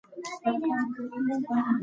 مسواک وهل د هوښیارۍ نښه ده.